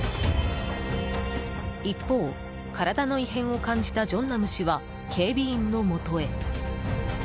一方、体の異変を感じた正男氏は警備員のもとへ。